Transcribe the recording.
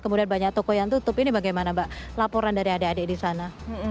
kemudian banyak toko yang tutup ini bagaimana mbak laporan dari adik adik di sana